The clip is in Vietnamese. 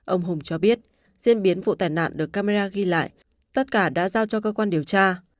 ông hùng cho biết diễn biến vụ tài nạn được camera ghi lại tất cả đã giao cho cơ quan điều tra